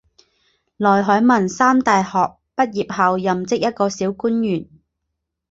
内海文三大学毕业后任职一个小官员。